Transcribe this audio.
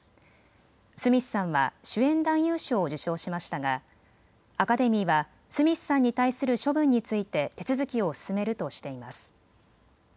スミスさんは主演男優賞を受賞しましたがアカデミーはスミスさんに対する処分について手続きを進めるとしています。